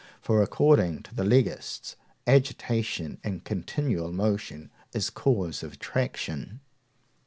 For, according to the Legists, agitation and continual motion is cause of attraction.